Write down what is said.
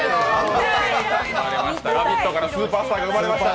「ラヴィット！」からスーパースターが生まれました。